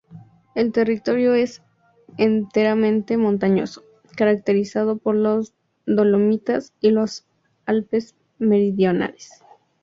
El territorio es enteramente montañoso, caracterizado por los Dolomitas y los Alpes meridionales.